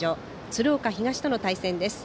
鶴岡東との対戦です。